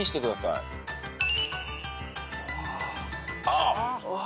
あっ！